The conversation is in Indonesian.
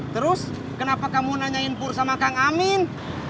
terus kenapa kamu nanyain pur sama kang amin